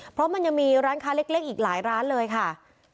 เพราะมันยังมีร้านค้าเล็กอีกหลายร้านเลยค่ะ